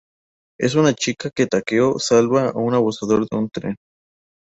Es una chica que Takeo salva de un abusador en un tren.